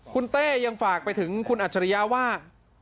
คุณเต้ยังฝากไปถึงคุณอัจฉริยะว่า